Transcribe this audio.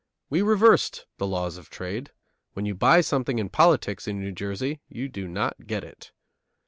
We reversed the laws of trade; when you buy something in politics in New Jersey, you do not get it.